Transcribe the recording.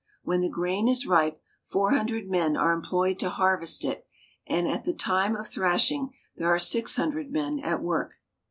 When the grain is ripe, four hundred men are employed to harvest it, and at the time of thrashing there are six hundred at work.